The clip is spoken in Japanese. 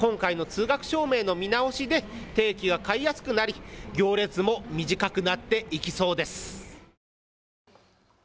今回の通学証明の見直しで定期が買いやすくなり行列も短くなっていきそうです。